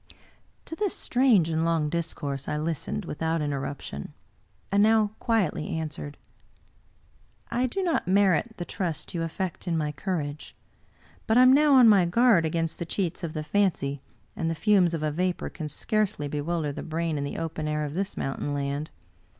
To this strange and long discourse I listened without interruption, and now quietly answered: " I do not merit the trust you affect in my courage; but I am now on my guard against the cheats of the fancy, and the fumes of a vapor can scarcely bewilder the brain in the open air of this mountain land.